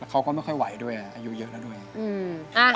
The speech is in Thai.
เขาก็ไม่ค่อยไหวด้วยนะอายุเยอะแล้วด้วย